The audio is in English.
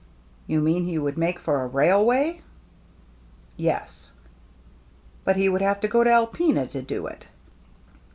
" You mean he would make for a railway ?"" Yes." " But he would have to go to Alpena to do it."